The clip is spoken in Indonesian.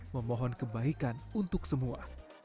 memohon kebaikan untuk semua